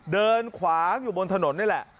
เดินขวางอยู่บนถนนนี่แหละ